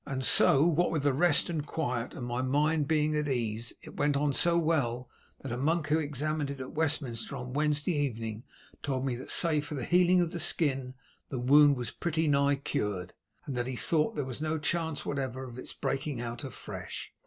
And so, what with the rest and quiet and my mind being at ease, it went on so well that a monk who examined it at Westminster on Wednesday evening told me that save for the healing of the skin the wound was pretty nigh cured, and that he thought there was no chance whatever of its breaking out afresh.